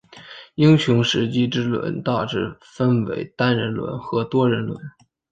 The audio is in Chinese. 英雄时机之轮大致分为单人轮和多人轮。